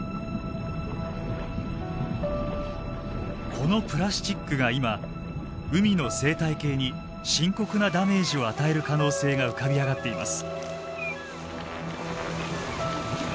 このプラスチックが今海の生態系に深刻なダメージを与える可能性が浮かび上がっています。